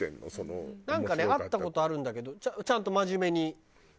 なんかね会った事あるんだけどちゃんと真面目に。